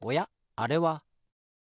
あれは。